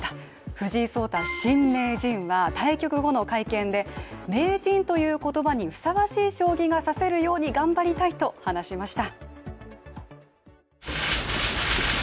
藤井聡太新名人は、対局後の会見で名人という言葉にふさわしい将棋が指せるように頑張りたいと話しました。